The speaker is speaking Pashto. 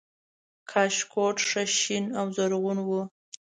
کاشکوټ ښه شین و زرغون و